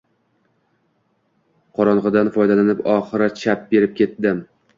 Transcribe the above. Qorong‘idan foydalanib, oxiri chap berib ketdim